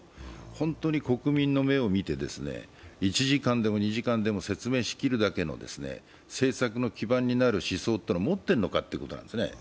本当に国民の目を見て１時間でも２時間でも説明しきるだけの政策の基盤になる思想というのを持ってるのかということなんですね。